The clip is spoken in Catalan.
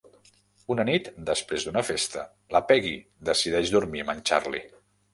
Una nit després d'una festa, la Peggy decideix dormir amb en Charlie.